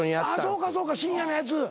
そうかそうか深夜のやつ。